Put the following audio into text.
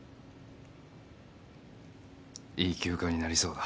いい休暇になりそうだ。